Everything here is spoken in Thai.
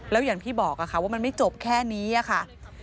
แล้วอย่างที่บอกค่ะว่ามันไม่จบแค่นี้ค่ะ